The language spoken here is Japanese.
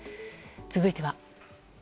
続いては。